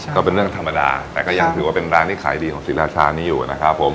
ก็เป็นเรื่องธรรมดาแต่ก็ยังถือว่าเป็นร้านที่ขายดีของศรีราชานี้อยู่นะครับผม